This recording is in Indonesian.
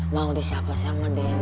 mau disapa sama deng boy